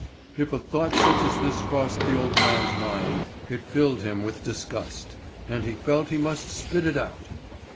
If a thought such as this crossed the old man's mind, it filled him with disgust, and he felt he must spit it out.